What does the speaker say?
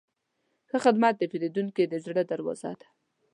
ښه خدمت د پیرودونکي د زړه دروازه ده.